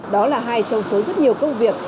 đó là hai trong số rất nhiều công việc